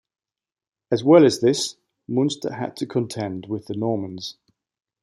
As well as this Munster had to contend with the Normans.